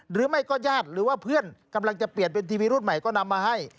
หรือไม่ก็ญาติหรือว่าเพื่อนกำลังจะเปลี่ยนเป็นทีวีรุ่นใหม่ก็นำมาให้